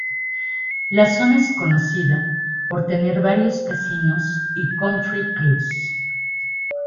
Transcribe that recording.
La zona es conocida por tener varios casinos y country clubs.